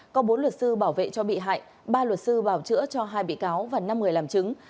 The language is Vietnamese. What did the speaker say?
có bốn luật sư bảo vệ cho bị hại ba luật sư bảo chữa cho hai bị cáo và năm người làm chứng